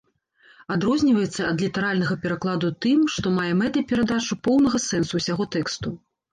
Адрозніваецца ад літаральнага перакладу тым, што мае мэтай перадачу поўнага сэнсу ўсяго тэксту.